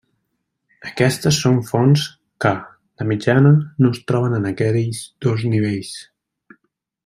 Aquestes són fonts que, de mitjana, no es troben en aquells dos nivells.